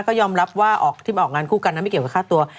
ก็ยอมรับว่าที่มาออกงานคู่กันนั้นไม่เกี่ยวกับค่าตัว